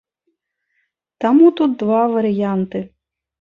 Таму тут два варыянты.